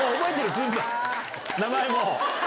名前も。